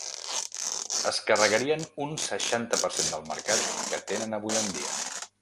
Es carregarien un seixanta per cent del mercat que tenen avui en dia.